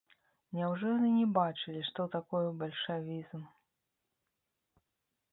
Няўжо яны не бачылі, што такое бальшавізм?